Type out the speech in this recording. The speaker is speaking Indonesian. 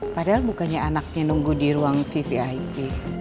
padahal bukannya anaknya nunggu di ruang vvip